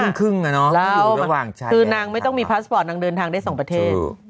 อยู่ที่ครึ่งครึ่งอ่ะเนอะแล้วอยู่ระหว่างคือนางไม่ต้องมีพลาสปอร์ตนางเดินทางได้สองประเทศ